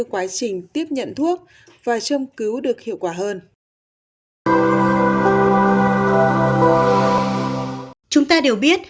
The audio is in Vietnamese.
quá trình tiếp nhận thuốc và châm cứu được hiệu quả hơn chúng ta đều biết